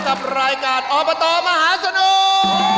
กับรายการอบตมหาสนุก